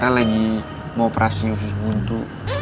pakar lagi mau operasi usus buntu